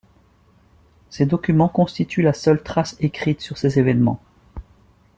Ces documents constituent la seule trace écrite sur ces événements.